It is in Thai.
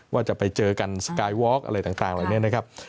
ว่าจะไปเจอกันสกายวอล์กอะไรต่างเหล่านี้นะครับ